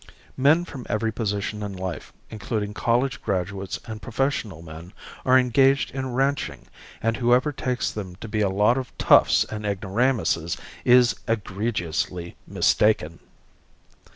Men from every position in life, including college graduates and professional men, are engaged in ranching and whoever takes them to be a lot of toughs and ignoramuses is egregiously mistaken.